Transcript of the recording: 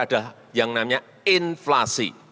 adalah yang namanya inflasi